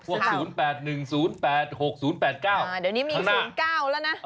เดี๋ยวนี้มี๐๙แล้วนะ